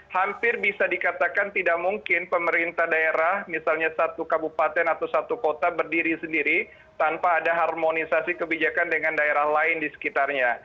hampir bisa dikatakan tidak mungkin pemerintah daerah misalnya satu kabupaten atau satu kota berdiri sendiri tanpa ada harmonisasi kebijakan dengan daerah lain di sekitarnya